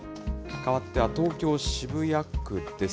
かわって東京・渋谷区です。